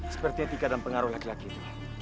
sepertinya tika dalam pengaruh laki laki itu